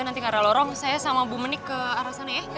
nanti karena lorong saya sama bu menik ke arah sana ya